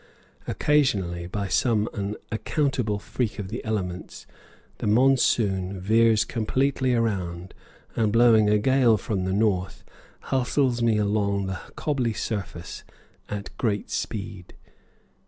Occasionally, by some unaccountable freak of the elements, the monsoon veers completely around, and blowing a gale from the north, hustles me along over the cobbly surface at great speed.